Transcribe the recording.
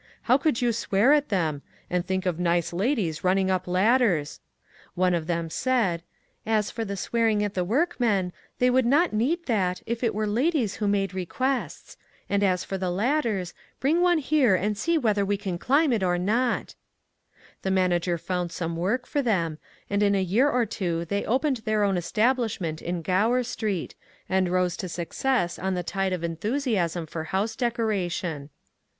How could you swear at them ? and think of nice ladies running up ladders I *' One of them said, ^^ As for swearing at the workmen, they would not need that if it were ladies who made requests ; and as for the ladders, bring one here and see whether we can climb it or not I " The manager found some work for them, and in a year or two they opened their own establishment in Grower Street, and rose to success on the tide of enthusiasm for house decoration.